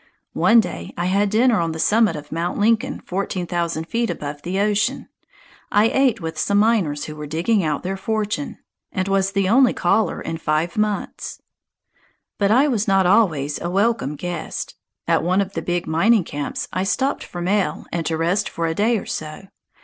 One day I had dinner on the summit of Mt. Lincoln, fourteen thousand feet above the ocean. I ate with some miners who were digging out their fortune; and was "the only caller in five months." But I was not always a welcome guest. At one of the big mining camps I stopped for mail and to rest for a day or so.